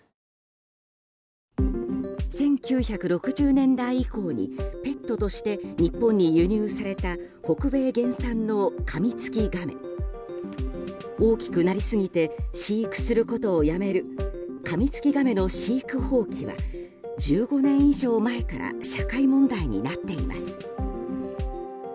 １９６０年代以降にペットとして日本に輸入された北米原産のカミツキガメ。大きくなりすぎて飼育することをやめるカミツキガメの飼育放棄は１５年以上前から社会問題になっています。